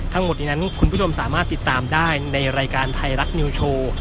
ทั้งหมดนี้นั้นคุณผู้ชมสามารถติดตามได้ในรายการไทยรัฐนิวโชว์